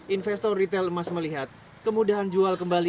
investor retail emas melihat kemudahan jual kembali